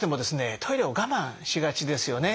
トイレを我慢しがちですよね。